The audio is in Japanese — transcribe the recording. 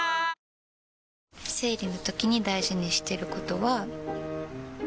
生理のときに大事にしてることは。